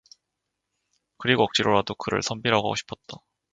그리고 억지로라도 그를 선비라고 하고 싶었다.